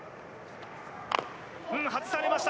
外されました。